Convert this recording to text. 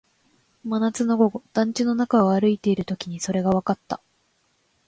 真夏の午後、団地の中を歩いているときにそれがわかった